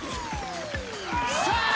さあ。